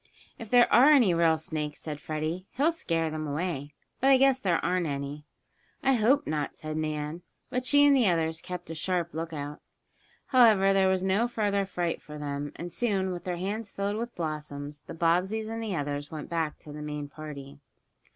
"If there are any real snakes," said Freddie, "he'll scare them away. But I guess there aren't any." "I hope not," said Nan, but she and the others kept a sharp lookout. However, there was no further fright for them, and soon, with their hands filled with blossoms the Bobbseys and the others went back to the main party.